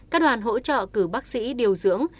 các đoàn hỗ trợ cử bác sĩ điều dưỡng